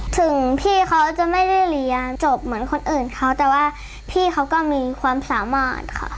ถึงพี่เขาจะไม่ได้เรียนจบเหมือนคนอื่นเขาแต่ว่าพี่เขาก็มีความสามารถค่ะ